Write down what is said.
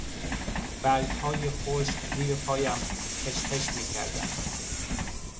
برگهای خشک زیر پایم خشخش میکردند.